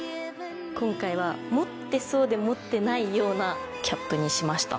今回は持ってそうで持ってないようなキャップにしました。